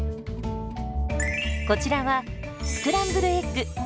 こちらはスクランブルエッグ。